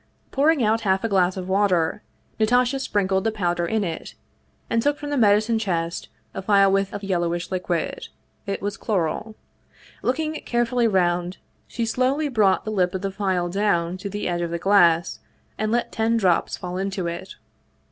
Pouring out half a glass of water, Natasha sprinkled the powder in it, and took from the medicine chest a phial with a yellowish liquid. It was chloral. Looking carefully round, she slowly brought the lip of the phial down to the edge of the glass and let ten drops fall into it.